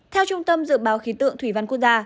theo trung tâm dự báo khí tượng thủy văn quốc gia